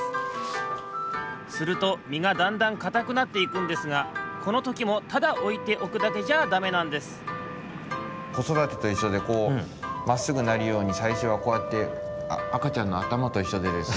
するとみがだんだんかたくなっていくんですがこのときもただおいておくだけじゃだめなんですこそだてといっしょでこうまっすぐなるようにさいしょはこうやってあかちゃんのあたまといっしょでですね。